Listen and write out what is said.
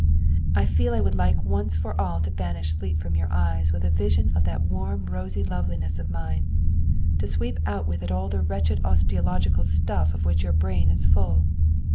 I feel I would like once for all to banish sleep from your eyes with a vision of that warm rosy loveliness of mine, to sweep out with it all the wretched osteological stuff of which your brain is full.'